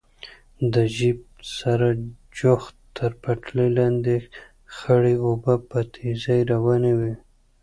له جېپ سره جوخت تر پټلۍ لاندې خړې اوبه په تېزۍ روانې وې.